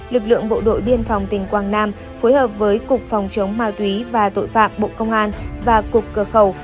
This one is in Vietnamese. lực lượng bộ đội biên phòng tỉnh quảng nam phối hợp với cục phòng chống ma túy và tội phạm bộ công an và cục cơ khẩu